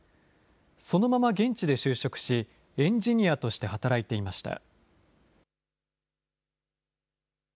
そのまま現地で就職しエンジニアとして働いていました。